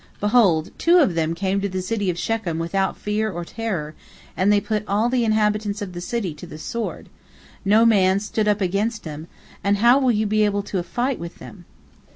Behold, two of them came to the city of Shechem without fear or terror, and they put all the inhabitants of the city to the sword, no man stood up against them, and how will you be able to fight with them all?"